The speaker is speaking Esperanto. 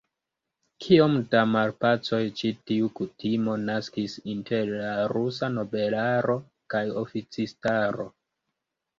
Kiom da malpacoj ĉi tiu kutimo naskis inter la rusa nobelaro kaj oficistaro!